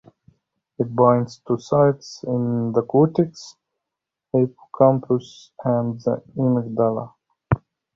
It binds to sites in the cortex, hippocampus and the amygdala.